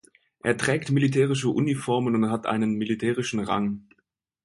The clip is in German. Er trägt militärische Uniform und hat einen militärischen Rang.